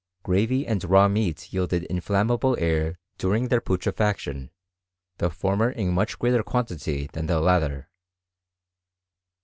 Gravy and raw meat yielded inflammable air during their putre &ction, the former in much greater quantity than the latter.